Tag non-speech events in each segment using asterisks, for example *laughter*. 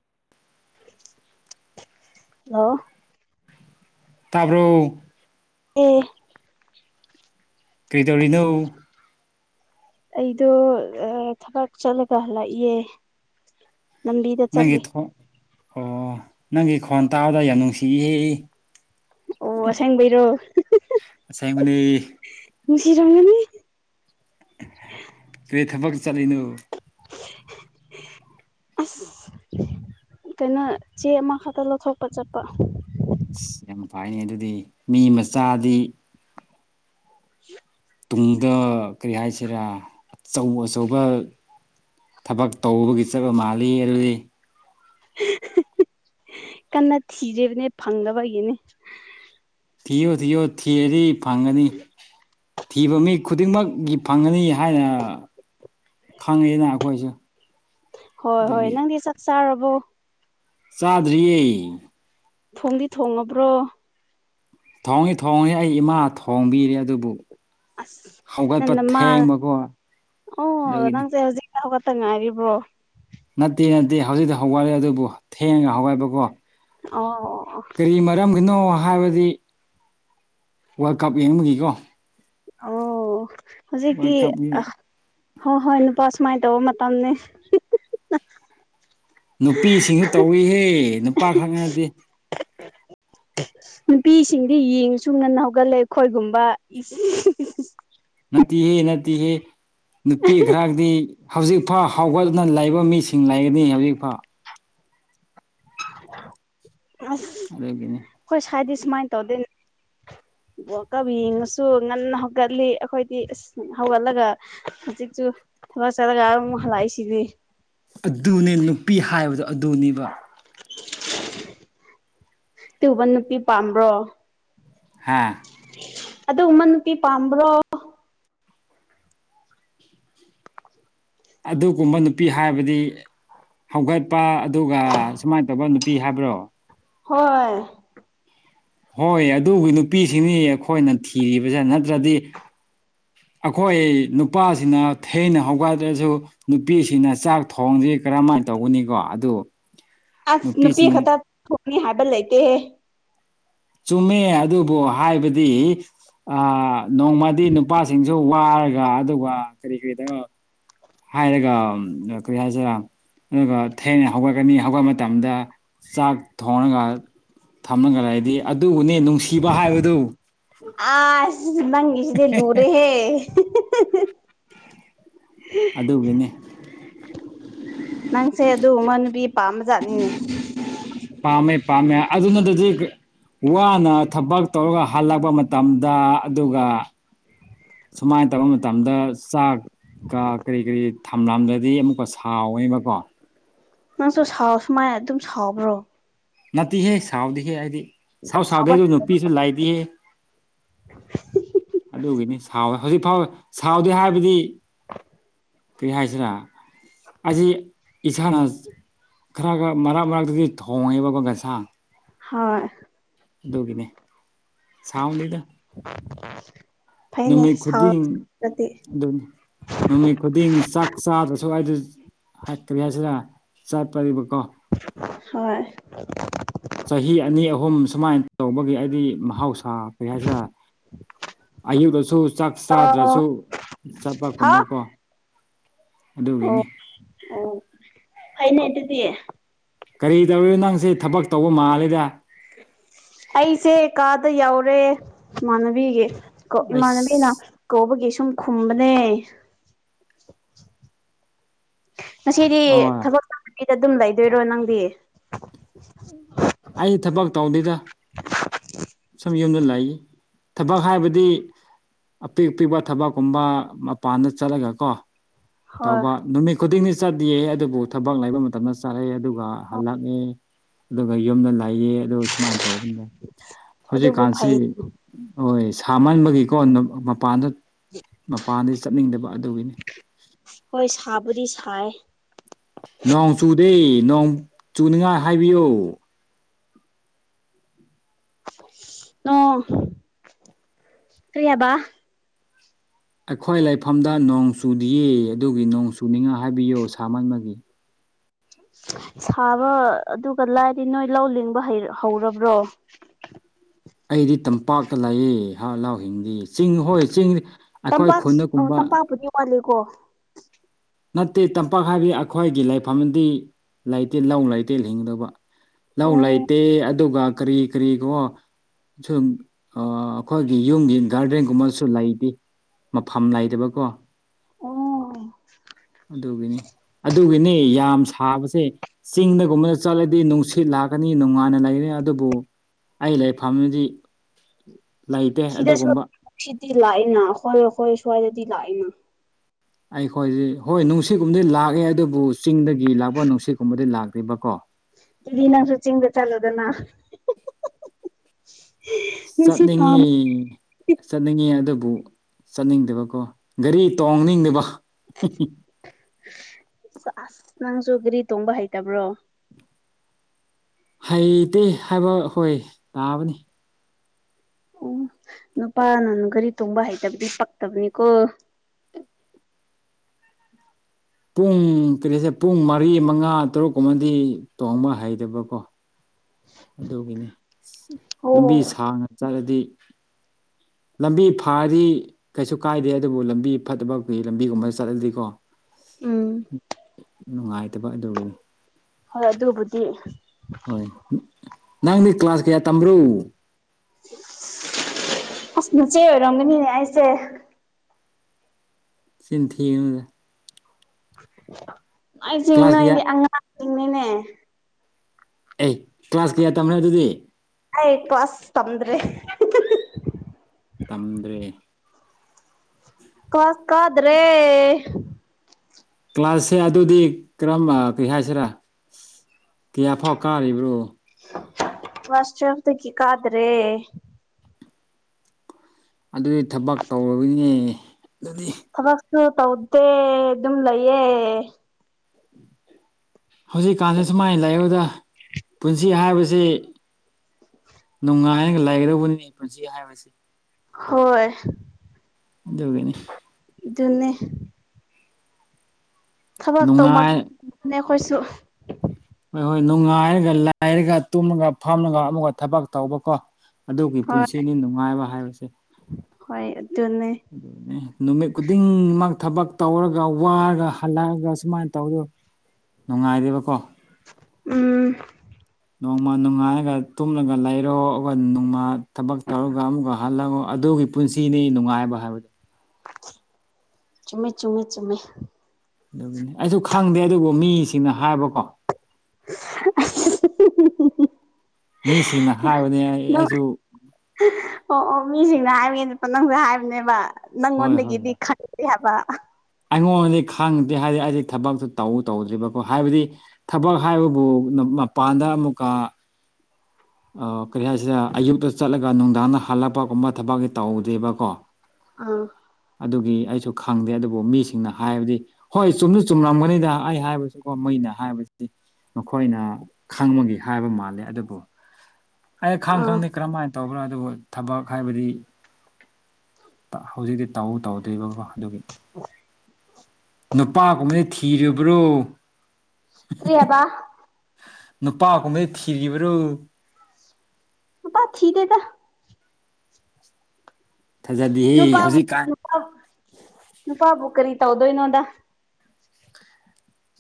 *inaudible* ꯂꯥꯛꯑꯣ ꯇꯥꯕ꯭ꯔꯣ ꯑꯦ ꯀꯩꯗꯧꯔꯤꯅꯣ ꯑꯩꯗꯣ ꯊꯕꯛ ꯆꯠꯂꯒ ꯍꯜꯂꯛ ꯏꯌꯦ ꯅꯪꯒꯤ ꯑꯣ ꯅꯪꯒꯤ ꯈꯣꯟ ꯇꯥꯕꯗ ꯌꯥꯝ ꯅꯨꯡꯁꯤꯌꯦ ꯑꯣ ꯑꯁꯦꯡꯕꯩꯔꯣ ꯑꯁꯦꯡꯕꯅꯦ ꯅꯨꯡꯁꯤꯔꯝꯒꯅꯤ ꯀꯨꯏ ꯊꯕꯛ ꯆꯠꯂꯤꯅꯣ ꯑꯁ ꯀꯩꯅꯣ ꯆꯦ ꯑꯃꯈꯛꯇ ꯂꯧꯊꯣꯛꯄ ꯆꯠꯄ ꯑꯁ ꯌꯥꯝ ꯐꯩꯅꯦ ꯑꯗꯨꯗꯤ ꯃꯤ ꯃꯆꯥꯗꯤ ꯍ *inaudible* ꯇꯨꯡꯗ ꯀꯔꯤ ꯍꯥꯏꯁꯤꯔꯥ ꯑꯆꯧ ꯑꯆꯧꯕ ꯊꯕꯛ ꯇꯧꯕꯒꯤ ꯆꯠꯄ ꯃꯥꯜꯂꯤ ꯑꯗꯨꯗꯤ ꯀꯟꯅ ꯊꯤꯔꯤꯕꯅꯦ ꯐꯪꯗꯕꯒꯤꯅꯦ ꯊꯤꯌꯣ ꯊꯤꯌꯣ ꯊꯤꯔꯗꯤ ꯐꯪꯒꯅꯤ ꯊꯤꯕ ꯃꯤ ꯈꯨꯗꯤꯡꯃꯛꯀꯤ ꯐꯪꯉꯅꯤ ꯍꯥꯏꯅ ꯈꯪꯉꯤꯅ ꯑꯩꯈꯣꯏꯁꯨ ꯍꯣꯏ ꯍꯣꯏ ꯑꯗꯨꯒꯤ ꯅꯪꯗꯤ ꯆꯥꯛ ꯆꯥꯔꯕꯣ ꯆꯥꯗ꯭ꯔꯤꯌꯦ ꯊꯣꯡꯗꯤ ꯊꯣꯡꯉꯕ꯭ꯔꯣ ꯊꯣꯡꯉꯤ ꯊꯣꯡꯉ ꯑꯩ ꯏꯃꯥ ꯊꯣꯡꯕꯤꯔꯦ ꯑꯗꯨꯕꯨ ꯑꯁ ꯍꯧꯒꯠꯄ ꯅ ꯃꯥ ꯊꯦꯡꯕꯀꯣ ꯑꯣ ꯑꯗꯨꯒꯤꯅꯤ ꯅꯪꯁꯦ ꯍꯧꯖꯤꯛ ꯍꯧꯒꯠꯇ ꯉꯥꯏꯔꯤꯕ꯭ꯔꯣ ꯅꯠꯇꯦ ꯅꯠꯇꯦ ꯍꯧꯖꯤꯛꯇꯤ ꯍꯧꯒꯠꯂꯦ ꯑꯗꯨꯕꯨ ꯊꯦꯡꯉꯒ ꯍꯧꯒꯠꯄꯀꯣ ꯑꯣ ꯀꯔꯤ ꯃꯔꯝꯒꯤꯅꯣ ꯍꯥꯏꯕꯗꯤ ꯋꯥꯔꯜ ꯀꯞ ꯌꯦꯡꯕꯒꯤꯀꯣ ꯑꯣ ꯋꯥꯔꯜ ꯍꯧꯖꯤꯛꯇꯤ ꯑ ꯀꯞꯀꯤ ꯍꯣꯏ ꯍꯣꯏ ꯅꯨꯄꯥ ꯁꯨꯃꯥꯏ ꯇꯧꯕ ꯃꯇꯝꯅꯦ ꯅꯨꯄꯤꯁꯤꯡꯁꯨ ꯇꯧꯏꯍꯦ ꯅꯨꯄꯥ ꯈꯛꯅꯗꯤ ꯅꯨꯄꯤꯁꯤꯡꯗꯤ ꯌꯦꯡꯁꯨ ꯉꯟꯅ ꯍꯧꯒꯠꯂꯦ ꯑꯩꯈꯣꯏꯒꯨꯝꯕꯥ ꯏꯁ ꯅꯠꯇꯦꯍꯦ ꯅꯠꯇꯦꯍꯦ ꯅꯨꯄꯤ ꯈꯔꯗꯤ ꯍꯧꯖꯤꯛꯐꯥ ꯍꯧꯒꯠꯅ ꯂꯩꯕ ꯃꯤꯁꯤꯡ ꯂꯩꯒꯅꯤ ꯍꯧꯖꯤꯛꯐꯥꯎ ꯑ ꯑꯗꯨꯒꯤꯅꯦ ꯑꯈꯣꯏ ꯁꯥꯏꯗꯤ ꯁꯨꯃꯥꯏ ꯇꯧꯗꯦ ꯀꯕꯤꯅꯁꯨ ꯉꯟꯅ ꯍꯧꯒꯠꯂꯤ ꯑꯩꯈꯣꯏꯗꯤ ꯑꯁ ꯍꯧꯒꯠꯂꯒ ꯍꯧꯖꯤꯛꯁꯨ ꯊꯕꯛ ꯆꯠꯂꯒ ꯑꯃꯨꯛ ꯍꯜꯂꯛꯏꯁꯤꯗꯤ ꯑꯗꯨꯅꯦ ꯅꯨꯄꯤ ꯍꯥꯏꯕꯗꯣ ꯑꯗꯨꯅꯦꯕ *inaudible* ꯇꯨꯕ ꯅꯨꯄꯤ ꯄꯥꯝꯕ꯭ꯔꯣ ꯍꯥꯥ ꯑꯗꯨ ꯒꯨꯝꯕ ꯅꯨꯄꯤ ꯄꯥꯝꯕ꯭ꯔꯣ ꯑꯗꯨꯒꯨꯝꯕ ꯅꯨꯄꯤ ꯍꯥꯏꯕꯗꯤ ꯍꯧꯒꯠꯄ ꯑꯗꯨꯒ ꯁꯨꯃꯥꯏ ꯇꯧꯕ ꯅꯨꯄꯤ ꯍꯥꯏꯕ꯭ꯔꯣ ꯍꯣꯏ ꯍꯣꯏ ꯑꯗꯨꯒꯤ ꯅꯨꯄꯤꯁꯤꯡꯅꯤ ꯑꯩꯈꯣꯏꯅ ꯊꯤꯔꯤꯕꯁꯦ ꯅꯠꯇ꯭ꯔꯗꯤ ꯑꯩꯈꯣꯏ ꯅꯨꯄꯥꯁꯤꯅ ꯊꯤꯅ ꯍꯧꯒꯠꯂꯁꯨ ꯅꯨꯄꯤꯁꯤꯡꯅ ꯆꯥꯛ ꯊꯣꯡꯖꯤ ꯀꯔꯝꯍꯥꯏ ꯇꯧꯒꯅꯤꯀꯣ ꯑꯗꯨ ꯑꯁ ꯅꯨꯄꯤ ꯅꯨꯄꯤꯁꯤꯡ ꯈꯛꯇ ꯊꯣꯛꯀꯅꯤ ꯍꯥꯏꯕ ꯂꯩꯇꯦꯍꯦ ꯆꯨꯝꯃꯦ ꯑꯗꯨꯕꯨ ꯍꯥꯏꯕꯗꯤ ꯑꯥ ꯅꯣꯡꯃꯗꯤ ꯅꯨꯄꯥꯁꯤꯡꯁꯨ ꯋꯥꯔꯒ ꯑꯗꯨꯒ ꯀꯔꯤ ꯀꯔꯤꯗꯣ ꯍꯥꯏꯔꯒ ꯀꯔꯤ ꯍꯥꯏꯁꯤꯔꯥ ꯑꯗꯨꯒ ꯊꯦꯡꯅ ꯍꯧꯒꯠꯀꯅꯤ ꯍꯧꯒꯠ ꯃꯇꯝꯗ ꯆꯥꯛ ꯊꯣꯡꯔꯒ ꯊꯝꯂꯒ ꯂꯩꯗꯤ ꯑꯗꯨꯕꯨꯅꯦ ꯅꯨꯡꯁꯤꯕꯥ ꯍꯥꯏꯕꯗꯨ ꯑꯁ ꯃꯪꯒꯤꯁꯤꯗꯤ ꯂꯨꯨꯔꯦꯍꯦ *inaudible* ꯑꯗꯨꯒꯤꯅꯦ ꯅꯪꯁꯦ ꯑꯗꯨꯒꯨꯝꯕ ꯅꯨꯄꯤ ꯄꯥꯝꯕꯖꯥꯠꯅꯤꯅꯦ ꯄꯥꯝꯃꯦ ꯄꯥꯝꯃꯦ ꯑꯗꯨꯅꯠꯇꯗꯤ ꯋꯥꯅ ꯊꯕꯛ ꯇꯧꯔꯒ ꯍꯜꯂꯛꯄ ꯃꯇꯝꯗ ꯑꯗꯨꯒ ꯁꯨꯃꯥꯏ ꯇꯧꯕ ꯃꯇꯝꯗ ꯆꯥꯛ ꯀ ꯀꯔꯤ ꯀꯔꯤ ꯊꯝꯂꯝꯗ꯭ꯔꯗꯤ ꯑꯃꯨꯛꯀ ꯁꯥꯎꯋꯦꯕꯀꯣ ꯅꯪꯁꯨ ꯁꯥꯎ ꯁꯨꯃꯥꯏꯅ ꯑꯗꯨꯝ ꯁꯥꯎꯕ꯭ꯔꯣ ꯅꯠꯇꯦꯍꯦ ꯁꯥꯎꯗꯦꯍꯦ ꯑꯩꯗꯤ ꯁꯥꯎ ꯁꯥꯎꯕ ꯁꯥꯎꯗꯩꯁꯨ ꯅꯨꯄꯤꯁꯨ ꯂꯩꯇꯤꯌꯦ ꯑꯗꯨꯒꯤꯅꯤ ꯁꯥꯎꯋꯦ ꯍꯧꯖꯤꯛ ꯐꯥꯎꯋꯦ ꯁꯥꯎꯗꯦ ꯍꯥꯏꯕꯗꯤ *inaudible* ꯀꯩ ꯍꯥꯏꯁꯤꯔꯥ ꯑꯁꯤ ꯏꯁꯥꯅꯥꯁ ꯈꯔ ꯈꯔ ꯃꯔꯛ ꯃꯔꯛꯇꯗꯤ ꯊꯣꯡꯉꯦꯕꯀꯣ ꯒꯩꯁꯥꯡ ꯍꯣꯏ ꯑꯗꯨꯒꯤꯅꯦ ꯁꯥꯎꯗꯦꯗ ꯐꯩꯅꯦ ꯅꯨꯃꯤꯠ ꯈꯨꯗꯤꯡ ꯁꯥꯎꯔꯗꯤ ꯑꯗꯨꯅꯤ ꯅꯨꯃꯤꯠ ꯈꯨꯗꯤꯡ ꯆꯥꯛ ꯆꯥꯗꯁꯨ ꯑꯩꯗꯤ ꯍꯥꯏꯠ ꯀꯔꯤ ꯍꯥꯏꯁꯤꯔ ꯆꯠꯄꯔꯤꯕꯀꯣ ꯍꯣꯏ ꯆꯍꯤ ꯑꯅꯤ ꯑꯍꯨꯝ ꯁꯨꯃꯥꯏꯅ ꯇꯧꯕꯒꯤ ꯍꯥꯏꯗꯤ ꯃꯍꯧꯁꯥ ꯀꯩ ꯍꯥꯏꯁꯤꯔ ꯑꯌꯨꯛꯗꯁꯨ ꯆꯥꯛ ꯑꯣ ꯆꯥꯗ꯭ꯔꯁꯨ ꯍꯥ ꯆꯠꯄꯀꯨꯝꯕꯀꯣ ꯑꯣ ꯑꯗꯨꯒꯤꯅꯤ ꯑꯣ ꯐꯩꯅꯦ ꯑꯗꯨꯗꯤ ꯀꯔꯤ ꯇꯧꯔꯤꯅꯣ ꯅꯪꯁꯦ ꯊꯕꯛ ꯇꯧꯕ ꯃꯥꯜꯂꯤꯗꯥ ꯑꯩꯁꯦ ꯀꯥꯗ ꯌꯧꯔꯦ ꯏꯃꯥꯟꯅꯕꯤꯒꯤ ꯀꯣ ꯏꯃꯥꯟꯅꯕꯤꯅ ꯑꯩꯁ ꯀꯧꯕꯒꯤ ꯁꯨꯝ ꯈꯨꯝꯕꯅꯦ ꯉꯁꯤꯗꯤ ꯑꯣ ꯊꯕꯛ ꯆꯠꯇꯕꯤꯗ ꯑꯗꯨꯝ ꯂꯩꯗꯣꯏꯔꯣ ꯅꯪꯗꯤ ꯑꯩ ꯊꯕꯛ ꯇꯧꯗꯣꯏꯗ ꯁꯨꯝ ꯌꯨꯝꯗ ꯂꯩ ꯊꯕꯛ ꯍꯥꯏꯕꯗꯤ ꯑꯄꯤꯛ ꯑꯄꯤꯛꯄ ꯊꯕꯛꯀꯨꯝꯕ ꯃꯄꯥꯟꯗ ꯆꯠꯂꯒ ꯀꯣ ꯍꯣꯏ ꯇꯧꯕ ꯅꯨꯃꯤꯠ ꯈꯨꯗꯤꯡꯗꯤ ꯆꯠꯇꯤꯌꯦ ꯑꯗꯨꯕꯨ ꯊꯕꯛ ꯂꯩꯕ ꯃꯇꯝꯗ ꯆꯠꯂꯦ ꯑꯗꯨꯒ ꯍꯜꯂꯛꯅꯤ ꯑꯗꯨꯒ ꯌꯨꯝꯗ ꯂꯥꯏꯌꯦ ꯑꯗꯨꯒ ꯁꯨꯃꯥꯏ ꯇꯧꯕꯅꯦ ꯑꯗꯨꯕꯨ ꯍꯧꯖꯤꯛꯀꯥꯟꯁꯤ ꯐꯩ ꯍꯣꯏ ꯁꯥꯃꯟꯕꯒꯤꯀꯣ ꯃꯄꯥꯟꯗ ꯃꯄꯥꯟꯗ ꯆꯠꯅꯤꯡꯗꯕ ꯑꯗꯨꯒꯤꯅꯤ ꯍꯣꯏ ꯁꯥꯕ ꯁꯥꯏ ꯅꯣꯡ ꯆꯨꯗꯦ ꯅꯣꯡ ꯆꯨꯅꯤꯉꯥꯏ ꯍꯥꯏꯕꯤꯌꯨ ꯑꯣ ꯀꯔꯤꯌꯥꯕ ꯑꯩꯈꯣꯏ ꯂꯩꯐꯝꯗ ꯅꯣꯡ ꯆꯨꯗꯤꯌꯦ ꯑꯗꯨꯒꯤ ꯅꯣꯡ ꯆꯨꯅꯤꯉ ꯍꯥꯏꯕꯤꯌꯣ ꯁꯥꯃꯟꯃꯒꯤ ꯁꯥꯕ ꯑꯗꯨꯒ ꯂꯥꯏꯗꯤ ꯅꯣꯏ ꯂꯧ ꯂꯤꯡꯕ ꯍꯧꯔꯕ꯭ꯔꯣ ꯑꯩꯗꯤ ꯇꯝꯄꯥꯛꯇ ꯂꯥꯛꯑꯦ ꯍꯥꯎꯍꯥꯎ ꯍꯤꯡꯗꯤ ꯆꯤꯡ ꯍꯣꯏ ꯆꯤꯡ ꯑꯩꯈꯣꯏ ꯈꯨꯣꯟꯗꯒꯨꯝꯕ ꯀꯂꯤꯀꯣ ꯅꯠꯇꯦ ꯇꯝꯄꯥꯛ ꯍꯥꯏꯕꯤꯗꯤ ꯑꯩꯈꯣꯏꯒꯤ ꯂꯥꯏꯐꯝꯗꯤ ꯂꯩꯇꯦꯜ ꯂꯧ ꯂꯩꯇꯦꯜ ꯍꯤꯡꯒꯗꯧꯕ ꯂꯧ ꯑꯣ ꯂꯩꯇꯦ ꯑꯗꯨꯒ ꯀꯔꯤ ꯀꯔꯤꯒꯣ ꯁꯨꯝ ꯑꯩꯈꯣꯏꯒꯤ ꯌꯨꯝꯒꯤ ꯒꯥꯔꯗꯦꯟꯒꯨꯝꯕꯁꯨ ꯂꯩꯗꯤ ꯃꯐꯝ ꯂꯩꯗꯕꯀꯣ ꯑꯣ ꯑꯗꯨꯒꯤꯅꯤ ꯑꯗꯨꯒꯤꯅꯤ ꯌꯥꯝ ꯁꯥꯕ ꯁ ꯆꯤꯡꯗꯒꯨꯝꯕꯗ ꯆꯠꯂꯗꯤ ꯅꯨꯡꯁꯤꯠ ꯂꯥꯛꯀꯅꯤ ꯅꯨꯡꯉꯥꯏꯅ ꯂꯩꯒꯅꯤ ꯑꯗꯨꯕꯨ ꯑꯩ ꯂꯥꯏꯔꯤꯛ ꯐꯥꯝꯗꯤ ꯂꯩꯇꯦ ꯑꯗꯨꯒꯨꯝꯕ ꯁꯤꯗꯤꯤ ꯂꯥꯛꯑꯅ ꯍꯈꯣꯏ ꯑꯩꯈꯣꯏ ꯁ꯭ꯋꯥꯏꯗꯗꯤ ꯂꯥꯛꯑꯅ ꯑꯩꯈꯣꯏꯗꯤ ꯍꯣꯏ ꯅꯨꯡꯁꯤꯠꯀꯨꯝꯕꯗꯤ ꯂꯥꯛꯑꯦ ꯑꯗꯨꯕꯨ ꯆꯤꯡꯗꯒꯤ ꯂꯥꯛꯄ ꯅꯨꯡꯁꯤꯠꯀꯨꯝꯕꯗꯤ ꯂꯥꯛꯇꯦꯕꯀꯣ ꯅꯪꯁꯨ ꯆꯤꯡꯤꯡꯒ ꯆꯂꯗꯅ ꯆꯠꯅꯤꯡꯉ ꯆꯠꯅꯤꯡꯉꯦ ꯑꯗꯨꯕꯨ ꯆꯠꯅꯤꯡꯗꯕꯀꯣ ꯒꯥꯔꯤ ꯇꯣꯡꯅꯤꯡꯗꯕ ꯑ ꯑꯁ ꯅꯪꯁꯨ ꯒꯥꯔꯤ ꯇꯣꯡꯕ ꯍꯩꯇꯕ꯭ꯔꯣ ꯍꯩꯇꯦ ꯍꯥꯏꯕ ꯑꯩꯈꯣꯏ ꯇꯥꯕꯅꯤ ꯑꯣ ꯅꯨꯄꯥꯅ ꯒꯥꯔꯤ ꯊꯣꯡꯕ ꯍꯩꯇꯕꯗꯤ ꯄꯛꯇꯕꯅꯤꯀꯣ ꯄꯨꯡ ꯀꯔꯤꯁꯦ ꯄꯨꯡ ꯃꯔꯤ ꯃꯉꯥ ꯇꯔꯨꯛꯀꯨꯝꯕꯗꯤ ꯇꯣꯡꯕ ꯍꯩꯗꯕꯀꯣ ꯑꯗꯨꯒꯤꯅꯤ ꯂꯝꯕꯤ ꯑꯣ ꯁꯥꯡꯅ ꯆꯠꯂꯗꯤ ꯂꯝꯕꯤ ꯐꯥꯔꯤ ꯀꯩꯁꯨ ꯀꯥꯏꯗꯦ ꯑꯗꯨꯕꯨ ꯂꯝꯕꯤ ꯐꯠꯇꯕꯤ ꯂꯝꯕꯤꯒꯨꯝꯕꯗ ꯆꯠꯂꯗꯤꯀꯣ ꯎꯝ ꯅꯨꯡꯉꯥꯏꯇꯕ ꯑꯗꯨꯒꯤꯅꯤ ꯍꯣꯏ ꯑꯗꯨꯕꯨꯗꯤ ꯍꯣꯏ ꯅꯪꯗꯤ ꯀ꯭ꯂꯥꯁ ꯀꯌꯥ ꯇꯝꯕ꯭ꯔꯣ ꯑꯁ ꯃꯆꯦ ꯑꯣꯏꯔꯝꯒꯅꯤꯅꯦ ꯑꯩꯁꯦ ꯁꯤꯤꯟꯊꯅꯗ ꯅꯥꯏ ꯆꯤꯡ ꯀ꯭ꯂꯥꯁ ꯀꯌꯥ ꯅꯣꯏꯗꯤ ꯑꯉꯥꯡꯁꯤꯡꯅꯤꯅꯦ ꯑꯦ ꯀ꯭ꯂꯥꯁ ꯀꯌꯥ ꯇꯝꯅꯦ ꯑꯗꯨꯗꯤ ꯑ ꯋꯥꯁ ꯇꯝꯗ꯭ꯔꯔꯤ ꯇꯝꯗ꯭ꯔꯦ ꯀꯥꯁ ꯀꯗ꯭ꯔꯦ ꯀ꯭ꯂꯥꯁꯁꯦ ꯑꯗꯨꯗꯤ ꯀꯔꯝꯕ ꯀꯩ ꯍꯥꯏꯁꯤꯔꯥ ꯀꯌꯥꯐꯥꯎ ꯀꯥꯔꯤꯕ꯭ꯔꯣ ꯐꯁꯗ ꯀ ꯀꯗ꯭ꯔꯦ ꯑꯗꯨꯗꯤ ꯊꯕꯛ ꯇꯧꯔꯕꯅꯦ ꯑꯗꯨꯗꯤ ꯊꯕꯛꯁꯨ ꯇꯧꯗꯦ ꯑꯗꯨꯝ ꯂꯩꯌꯦ ꯍꯧꯖꯤꯛꯀꯥꯟꯁꯤ ꯁꯨꯃꯥꯏꯅ ꯂꯑꯣꯧꯗ ꯄꯨꯟꯁꯤ ꯍꯥꯏꯕꯁꯤ ꯅꯨꯡꯉꯥꯏꯔꯒ ꯂꯩꯒꯗꯧꯕꯅꯤ ꯄꯨꯟꯁꯤ ꯍꯥꯏꯕꯁꯤ ꯍꯣꯏ ꯖꯧꯒꯅꯤ ꯑꯗꯨꯟꯅ ꯊꯕꯛ ꯇꯧ ꯅꯨꯡꯉꯥꯏ ꯑꯩꯈꯣꯏꯁꯨ ꯍꯣꯏ ꯍꯣꯏ ꯅꯨꯡꯉꯥꯏꯔꯒ ꯂꯥꯏꯔꯒ ꯇꯨꯝꯂꯒ ꯐꯥꯝꯂꯒ ꯑꯃꯨꯒ ꯊꯕꯛ ꯇꯧꯕꯀꯣ ꯑꯗꯨꯒꯤ ꯍꯣꯏ ꯄꯨꯟꯁꯤꯅꯤ ꯅꯨꯡꯉꯥꯏꯕ ꯍꯥꯏꯕꯁꯦ ꯍꯣꯏ ꯑꯗꯨꯠꯇꯟꯅ ꯑꯗꯨꯅꯦ ꯅꯨꯃꯤꯠ ꯈꯨꯗꯤꯡꯃꯛ ꯊꯕꯛ ꯇꯧꯔꯒ ꯋꯥꯔꯒ ꯍꯜꯂꯛꯑꯒ ꯁꯨꯃꯥꯏꯅ ꯇꯧꯗꯣꯏ ꯅꯨꯡꯉꯥꯏꯔꯦꯕꯀꯣ ꯎꯝ ꯅꯣꯡꯃ ꯅꯨꯡꯉꯥꯏꯔꯒ ꯇꯨꯝꯂꯒ ꯂꯩꯔꯣ ꯑꯗꯨꯒ ꯅꯣꯡꯃ ꯊꯕꯛ ꯇꯧꯔꯒ ꯑꯃꯨꯛꯀ ꯍꯜꯂꯒꯣ ꯑꯗꯨꯒꯤ ꯄꯨꯟꯁꯤꯅꯤ ꯅꯨꯡꯉꯥꯏꯕ ꯍꯥꯏꯕꯗꯨ ꯆꯨꯝꯃꯦ ꯆꯨꯝꯃꯦ ꯆꯨꯝꯃꯦ ꯑꯗꯨꯒꯤꯅꯦ ꯑꯩꯁꯨ ꯈꯪꯗꯦ ꯑꯗꯨꯕꯨ ꯃꯤꯁꯤꯡꯅ ꯍꯥꯏꯕꯀꯣ *unintelligible* ꯃꯤꯁꯤꯡꯅ ꯍꯥꯏꯕꯅꯤ ꯑꯩ ꯅꯪ ꯑꯩꯁꯨ ꯑꯣ ꯑꯣ ꯃꯤꯁꯤꯡꯅ ꯍꯥꯏꯕꯅꯦ ꯅꯪꯁꯨ ꯍꯥꯏꯕꯅꯦꯕ ꯍꯣꯏ ꯍꯣꯏ ꯅꯪꯉꯣꯟꯗꯒꯤꯗꯤ ꯈꯪ ꯀꯩ ꯍꯥꯏꯕ ꯑꯩꯉꯣꯟꯗꯗꯤ ꯈꯪꯗꯦ ꯍꯥꯏꯗꯤ ꯑꯩꯗꯤ ꯊꯕꯛꯇꯨ ꯇꯧ ꯇꯧꯗ꯭ꯔꯤꯕꯀꯣ ꯍꯥꯏꯕꯗꯤ ꯊꯕꯛ ꯍꯥꯏꯕꯕꯨ ꯃꯄꯥꯟꯗ ꯑꯃꯨꯛꯀ ꯀꯔꯤ ꯍꯥꯏꯁꯤꯗ ꯑꯌꯨꯛꯇ ꯆꯠꯂꯒ ꯅꯨꯡꯗꯥꯡꯗ ꯍꯜꯂꯛꯄꯒꯨꯝꯕ ꯊꯕꯛꯇꯤ ꯇꯧꯗꯦꯕꯀꯣ ꯑꯥ ꯑꯗꯨꯒꯤ ꯑꯩꯁꯨ ꯈꯪꯗꯦ ꯑꯗꯨꯕꯨ ꯃꯤꯁꯤꯡꯅ ꯍꯥꯏꯕꯗꯤ ꯍꯣꯏ ꯆꯨꯝꯗꯤ ꯆꯨꯝꯂꯝꯒꯅꯤꯗ ꯑꯩ ꯍꯥꯏꯕꯁꯤꯀꯣ ꯃꫭꯏꯅ ꯍꯥꯏꯕꯁꯤꯗꯤ ꯃꯈꯣꯏꯅ ꯈꯪꯕꯒꯦ ꯍꯥꯏꯕ ꯃꯥꯜꯂꯦ ꯑꯗꯨꯕꯨ ꯑꯩ ꯈꯥꯡ ꯑꯥ ꯈꯪꯗꯦ ꯀꯔꯝꯍꯥꯏꯅ ꯇꯧꯕ꯭ꯔꯥ ꯑꯗꯨꯕꯨ ꯊꯕꯛ ꯍꯥꯏꯕꯗꯤ ꯍꯧꯖꯤꯛꯇꯤ ꯇꯧꯎ ꯇꯧꯗꯣꯏꯕꯀꯣ ꯑꯗꯨꯒꯤ *inaudible* ꯅꯨꯄꯥꯒꯨꯝꯕꯗꯥ ꯊꯤꯔꯤꯕ꯭ꯔꯣ ꯀꯔꯤ ꯍꯥꯏꯕ ꯅꯨꯄꯥꯒꯨꯝꯕꯗꯥ ꯊꯤꯔꯤꯕ꯭ꯔꫭ ꯅꯨꯄꯥ ꯊꯤꯗꯦꯗꯥ ꯊꯥꯖꯗꯦꯍꯦ ꯅꯨꯄꯥꯕꯨ ꯍꯧꯖꯤꯛꯀꯥꯟ ꯅꯨꯄꯥ ꯅꯨꯄꯥꯕꯨ ꯀꯔꯤ ꯇꯧꯗꯣꯏꯅꯣꯗ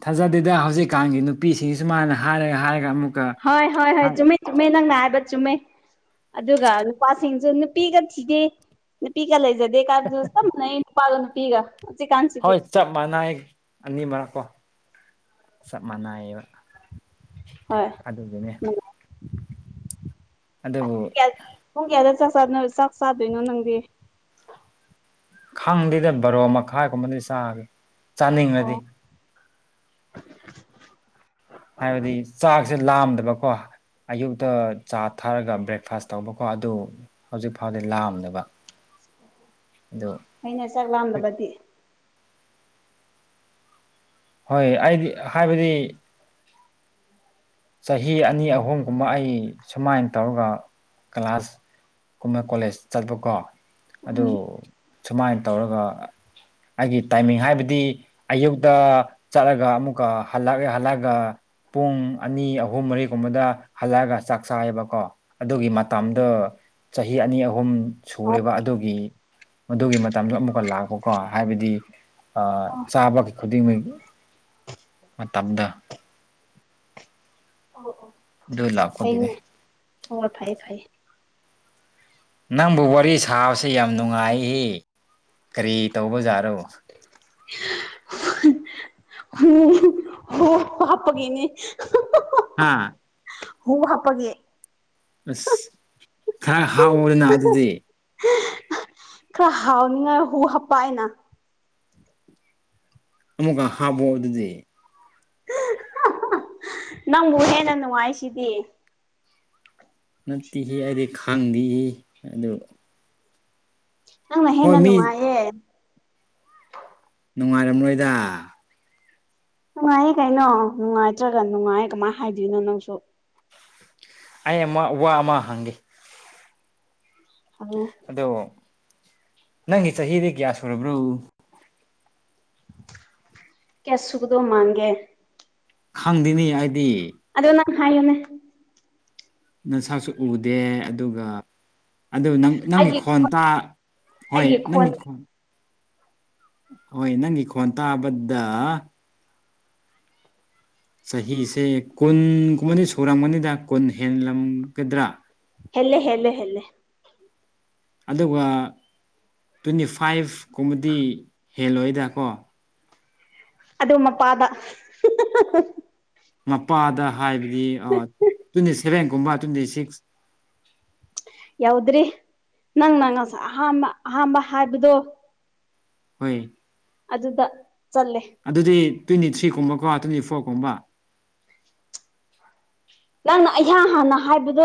ꯊꯥꯖꯗꯦꯗ ꯍꯧꯖꯤꯛꯀꯥꯟꯒꯤ ꯅꯨꯄꯤꯁꯤꯁꯨ ꯃꯥꯅ ꯍꯥꯏꯔꯒ ꯍꯥꯏꯔꯒ ꯑꯃꯨꯛ ꯍꯣꯏ ꯍꯣꯏ ꯍꯣꯏ ꯆꯨꯝꯃꯤ ꯆꯨꯝꯃꯦ ꯅꯪꯅ ꯍꯥꯏꯕ ꯆꯨꯝꯃꯦ ꯑꯗꯨꯒ ꯅꯨꯄꯥꯁꯤꯡꯁꯨ ꯅꯨꯄꯤꯒ ꯊꯤꯒꯦ ꯅꯨꯄꯤꯒ ꯂꯩꯖꯗꯦ ꯀꯥꯗꯁ *unintelligible* ꯅꯨꯄꯥꯁꯨ ꯅꯨꯄꯤꯒ ꯍꯧꯖꯤꯛꯀꯥꯟꯁꯤꯗꯤ ꯍꯣꯏ ꯆꯞ ꯃꯥꯟꯅꯩ ꯑꯅꯤ ꯃꯔꯛ ꯀꯣ ꯆꯞ ꯃꯥꯟꯅꯩꯌꯦꯕ ꯍꫭꯏ ꯑꯗꯨꯒꯤꯅꯦ ꯃꯥꯟꯅꯩ ꯑꯗꯨꯕꯨ ꯄꯨꯡ ꯀꯌꯥꯗ ꯆꯥꯛ ꯆꯥꯅ ꯆꯥꯛ ꯆꯥꯗꯣꯏꯅꯣ ꯅꯪꯗꯤ ꯈꯪꯗꯦꯗ ꯕꯔꯣ ꯃꯈꯥꯏꯒꯨꯝꯕꯗꯤ ꯆꯥꯒꯦ ꯆꯥꯅꯤꯡꯉꯗꯤ *inaudible* ꯍꯥꯏꯕꯗꯤ ꯆꯥꯛꯁꯦ ꯂꯥꯝꯗꯕꯀꯣ ꯑꯌꯨꯛꯇ ꯆꯥ ꯊꯥꯛꯑꯒ ꯕ꯭ꯔꯦꯛꯐꯥꯁ ꯇꯧꯕꯀꯣ ꯑꯗꯨ ꯍꯧꯖꯤꯛ ꯐꯥꯎꯗꯤ ꯂꯥꯝꯗꯕ ꯑꯗꯨ ꯑꯩꯅ ꯆꯥꯛ ꯂꯥꯗꯕꯗꯤ ꯍꯣꯏ ꯑꯩꯗꯤ ꯍꯥꯏꯕꯗꯤ ꯆꯍꯤ ꯑꯅꯤ ꯑꯍꯨꯝꯒꯨꯝꯕ ꯑꯩ ꯁꯨꯃꯥꯏꯅ ꯇꯧꯔꯒ ꯀ꯭ꯂꯥꯁ ꯀꯨꯝꯕ ꯀꯣꯂꯦꯖ ꯆꯠꯄꯀꯣ ꯑꯗꯨ ꯎꯝ ꯁꯨꯃꯥꯏꯅ ꯇꯧꯔꯒ ꯑꯩꯒꯤ ꯇꯥꯏꯃꯤꯡ ꯍꯥꯏꯕꯗꯤ ꯑꯌꯨꯛꯇ ꯆꯠꯂꯒ ꯑꯃꯨꯛꯀ ꯍꯜꯂꯛꯑꯒ ꯍꯜꯂꯛꯑꯒ ꯄꯨꯡ ꯑꯅꯤ ꯑꯍꯨꯝ ꯃꯔꯤꯒꯨꯝꯕꯗ ꯍꯜꯂꯛꯑꯒ ꯆꯥꯛ ꯆꯥꯏꯌꯦꯕꯀꯣ ꯑꯗꯨꯒꯤ ꯃꯇꯝꯗꯣ ꯆꯍꯤ ꯑꯅꯤ ꯑꯍꯨꯝ ꯑꯣ ꯁꯨꯔꯦꯕ ꯑꯗꯨꯒꯤ ꯃꯗꯨꯒꯤ ꯃꯇꯝꯗ ꯑꯃꯨꯛꯀ ꯂꯥꯛꯄꯀꯣ ꯍꯥꯏꯕꯗꯤ ꯑꯥ ꯑꯣ ꯆꯥꯕꯒꯤ ꯈꯨꯗꯤꯡ *unintelligible* *unintelligible* ꯃꯇꯝꯗꫭ ꯑꯣ ꯑꯣ ꯑꯗꯨ ꯐꯩꯅꯦ ꯂꯥꯛꯄꯒꯤꯅꯦ ꯍꯣꯏ ꯐꯩ ꯐꯩꯌꯦ ꯅꯪꯕꯨ ꯋꯥꯔꯤ ꯁꯥꯕꯕꯁꯤ ꯌꯥꯝ ꯅꯨꯡꯉꯥꯏ ꯀꯔꯤ ꯇꯧꯕ ꯌꯥꯥꯔꯣ *unintelligible* ꯍꫭ ꯍꯥꯞꯄꯒꯤꯅꯦ ꯍꯥꯥ ꯍꯨ ꯍꯥꯞꯄꯒꯤ ꯑꯁ ꯈꯔ ꯍꯥꯎꯋꯣꯗꯅ ꯑꯗꯨꯗꯤ ꯈꯔ ꯍꯥꯎꯅꯤꯉꯥꯏ ꯍꯨ ꯍꯥꯞꯄꯥꯑꯩꯅꯥ ꯑꯃꯨꯛꯀ ꯍꯥꯞꯄꯣ ꯑꯗꯨꯗꯤ ꯄꯨ *unintelligible* ꯅꯪꯕꯨ ꯍꯦꯟꯅ ꯅꯨꯡꯉꯥꯏꯁꯤꯗꯤ ꯅꯠꯇꯤꯍꯦ ꯑꯩꯗꯤ ꯈꯪꯏ ꯑꯗꯨ ꯅꯪꯅ ꯍꯣꯏ ꯍꯦꯟꯅ ꯃꯤ ꯅꯨꯡꯉꯥꯏꯌꯦ ꯅꯨꯡꯉꯥꯏꯔꯝꯂꯣꯏꯗꯥ ꯅꯨꯡꯉꯥꯏꯌꯦ ꯀꯩꯅꯣ ꯅꯨꯡꯉꯥꯏꯇ꯭ꯔꯒ ꯅꯨꯡꯉꯥꯏꯌꯦ ꯀꯃꯥꯏ ꯍꯥꯏꯗꯣꯏꯅꯣ ꯅꯪꯁꯨ ꯑꯩ ꯑꯃ ꯋꯥ ꯑꯃ ꯍꯪꯒꯦ ꯍꯪꯉꯣ ꯑꯗꯣ ꯅꯪꯒꯤ ꯆꯍꯤꯗꯤ ꯀꯌꯥ ꯁꯨꯔꯕ꯭ꯔꯣ ꯀꯌꯥ ꯁꯨꯒꯗꯣ ꯃꯥꯟꯒꯦ ꯈꯪꯗꯦꯅꯦ ꯍꯥꯏꯗꯤ ꯑꯗꯣ ꯅꯪ ꯍꯥꯏꯌꯨꯅꯦ ꯅꯁꯥꯛꯁꯨ ꯎꯗꯦ ꯑꯗꯨꯒ ꯑꯗꯨ ꯅꯪ ꯅꯪꯒꯤ ꯑꯩꯒꯤ ꯈꯣꯟ ꯇꯥ ꯍꯣꯏ ꯅꯪꯒꯤ ꯈꯣꯟ ꯍꯣꯏ ꯅꯪꯒꯤ ꯈꯣꯟ ꯇꯥꯕꯗ ꯆꯍꯤꯁꯦ ꯀꯨꯟꯒꯨꯝꯕꯗꯤ ꯁꯨꯔꯝꯒꯅꯤꯗ ꯀꯨꯟ ꯍꯦꯟꯂꯝꯒꯗ꯭ꯔꯥ ꯍꯦꯜꯂꯦ ꯍꯦꯜꯂꯦ ꯍꯦꯜꯂꯦ ꯑꯗꯨꯒ ꯇ꯭ꯋꯦꯟꯇꯤꯐꯥꯏꯚ ꯀꯨꯝꯕꯗꯤ ꯍꯦꯜꯂꯣꯏꯗꯀꯣ ꯑꯗꯨ ꯃꯄꯥꯗ ꯍ ꯍ ꯍ ꯍ ꯃꯄꯥꯗ ꯍꯥꯏꯕꯗꯤ ꯑ ꯇ꯭ꯋꯦꯟꯇꯤ ꯁꯦꯚꯦꯟꯒꯨꯝꯕ ꯇ꯭ꯋꯦꯟꯇꯤ ꯁꯤꯛꯁ ꯌꯥꯎꯗ꯭ꯔꯤ ꯅꯪꯅ ꯉꯁ ꯑꯍꯥꯝꯕ ꯑꯍꯥꯝꯕ ꯍꯥꯏꯕꯗꯣ ꯍꯣꯏ ꯑꯗꯨꯗ ꯆꯜꯂꯦ ꯑꯗꯨꯗꯤ ꯇ꯭ꯋꯦꯟꯇꯤ ꯊ꯭ꯔꯤꯒꯨꯝꯕꯀꯣ ꯇ꯭ꯋꯦꯟꯇꯤ ꯐꯣꯔꯒꯨꯝꯕ ꯅꯪꯅ ꯑꯩꯍꯥꯟ ꯍꯥꯟꯅ ꯍꯥꯏꯕꯗꯣ